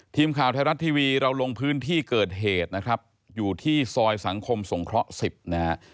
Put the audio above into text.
ทีมข่าวไทยรัฐทีวีเราลงพื้นที่เกิดเหตุนะครับอยู่ที่ซอยสังคมสงเคราะห์๑๐นะฮะ